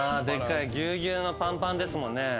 ぎゅうぎゅうのパンパンですもんね。